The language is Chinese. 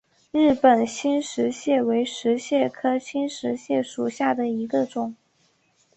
日本新石蟹为石蟹科新石蟹属下的一个种。